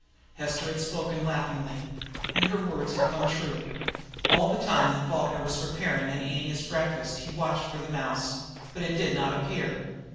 Hester had spoken laughingly. And her words had come true! All the time that Falkner was preparing and eating his breakfast he watched for the mouse, but it did not appear.